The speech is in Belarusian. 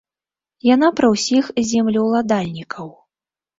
Яна пра ўсіх землеўладальнікаў.